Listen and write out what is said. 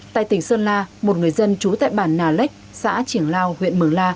tại tỉnh sơn la một người dân trú tại bản nà lách xã triển lao huyện mường la